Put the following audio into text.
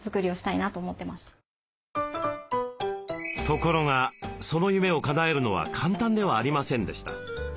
ところがその夢をかなえるのは簡単ではありませんでした。